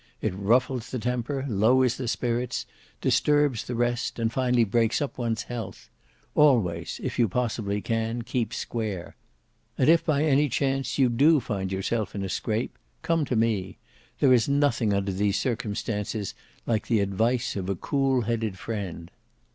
It ruffles the temper, lowers the spirits, disturbs the rest, and finally breaks up one's health. Always, if you possibly can, keep square. And if by any chance you do find yourself in a scrape, come to me. There is nothing under those circumstances like the advice of a cool headed friend."